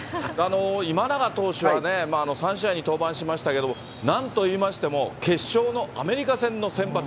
今永投手はね、３試合に登板しましたけれども、なんと言いましても、決勝のアメリカ戦の先発。